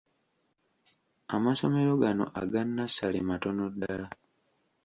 Amasomero gano aga nnassale matono ddala.